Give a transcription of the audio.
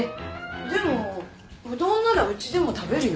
でもうどんならうちでも食べるよ。